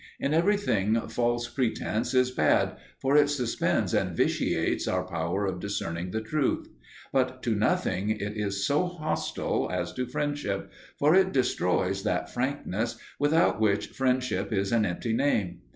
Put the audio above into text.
In everything false pretence is bad, for it suspends and vitiates our power of discerning the truth. But to nothing it is so hostile as to friendship; for it destroys that frankness without which friendship is an empty name.